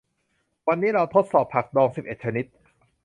วันนี้เราทดสอบผักดองสิบเอ็ดชนิด